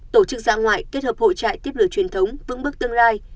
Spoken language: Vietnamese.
tổ chức ra ngoại kết hợp hội trại tiếp lửa truyền thống vững bước tương lai